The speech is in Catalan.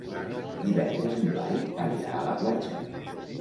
Divendres en Blai anirà a la platja.